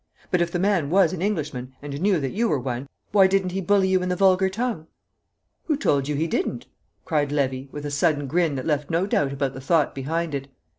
"But if the man was an Englishman and knew that you were one, why didn't he bully you in the vulgar tongue?" "Who told you he didn't?" cried Levy, with a sudden grin that left no doubt about the thought behind it.